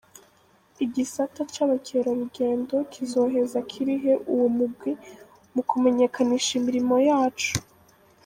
Igisata c'abakerarugendo kizoheza kirihe uwo mugwi mu kumenyekanisha imirimo yaco.